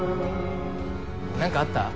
何かあった？